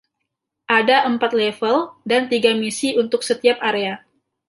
Ada empat level dan tiga misi untuk setiap area.